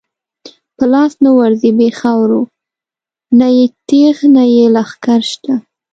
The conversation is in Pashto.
په لاس نه ورځی بی خاورو، نه یې تیغ نه یی لښکر شته